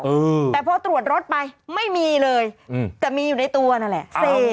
อืมแต่พอตรวจรถไปไม่มีเลยอืมแต่มีอยู่ในตัวนั่นแหละเสพ